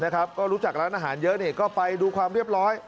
ก็รู้จักร้านอาหารเยอะก็ไปดูความเรียบร้อย